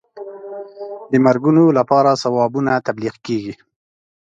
د مرګونو لپاره ثوابونه تبلیغ کېږي.